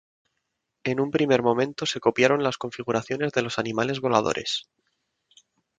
En un primer momento se copiaron las configuraciones de los animales voladores.